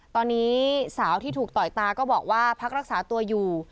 ตอนนี้สาวที่ถูกต่อยตาก็บอกว่าพักรักษาตัวอยู่